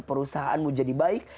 perusahaanmu jadi baik